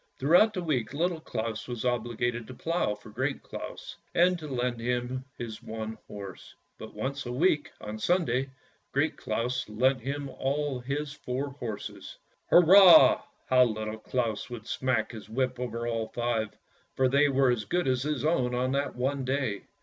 Throughout the week Little Claus was obliged to plough for Great Claus, and to lend him his one horse; but once a week, on Sunday, Great Claus lent him all his four horses. " Hurrah! " How Little Claus would smack his whip over all five, for they were as good as his own on that one day.